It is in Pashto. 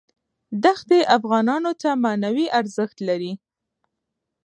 دښتې افغانانو ته معنوي ارزښت لري.